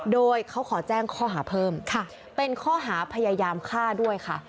โดยเขาขอแจ้งข้อหาเพิ่มค่ะเป็นข้อหาพยายามฆ่าด้วยค่ะ